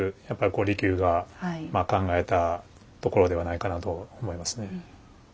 やっぱりこう利休がまあ考えたところではないかなと思いますね。